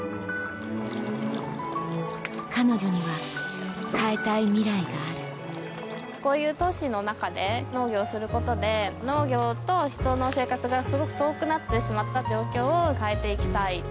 彼女には変えたいミライがあるこういう都市の中で農業をすることで農業と人の生活がすごく遠くなってしまった状況を変えて行きたい。